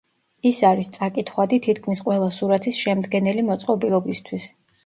ის არის წაკითხვადი თითქმის ყველა სურათის შემდგენელი მოწყობილობისთვის.